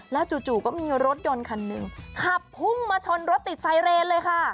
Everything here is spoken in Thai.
จู่ก็มีรถยนต์คันหนึ่งขับพุ่งมาชนรถติดไซเรนเลยค่ะ